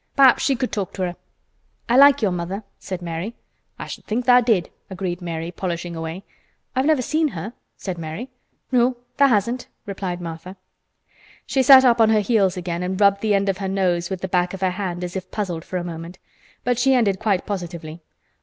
Perhaps she could talk to her." "I like your mother," said Mary. "I should think tha' did," agreed Martha, polishing away. "I've never seen her," said Mary. "No, tha' hasn't," replied Martha. She sat up on her heels again and rubbed the end of her nose with the back of her hand as if puzzled for a moment, but she ended quite positively.